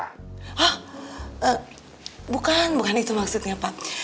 oh bukan bukan itu maksudnya pak